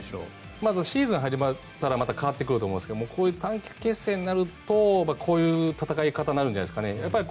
またシーズンが始まったら変わってくると思うんですがこういう短期決戦になるとこういう戦い方になるんじゃないですかね。